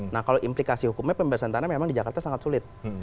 nah kalau implikasi hukumnya pembebasan tanah memang di jakarta sangat sulit